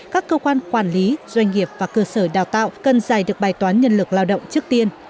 các cơ quan quản lý doanh nghiệp và cơ sở đào tạo cần giải được bài toán nhân lực lao động trước tiên